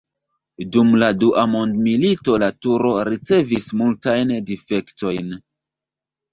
Dum la Dua mondmilito la turo ricevis multajn difektojn.